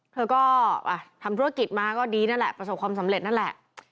เธอก็ทำธุรกิจมาก็ดีนั่นแหละประสบความสำเร็จนั่นแหละ